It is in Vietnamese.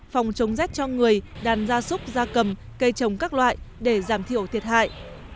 phòng chống rét cho người đàn ra súc ra cầm cây trồng các loại để giảm thiểu thiệt hại